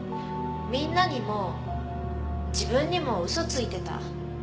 みんなにも自分にも嘘ついてた。